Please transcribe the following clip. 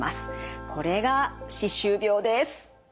これが歯周病です。